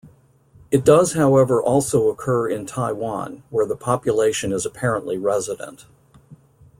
It does however also occur in Taiwan, where the population is apparently resident.